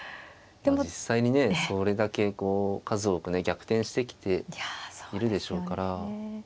実際にねそれだけ数多くね逆転してきているでしょうから。